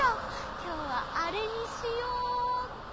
きょうはあれにしようっと。